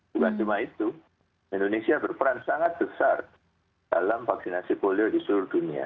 bukan cuma itu indonesia berperan sangat besar dalam vaksinasi polio di seluruh dunia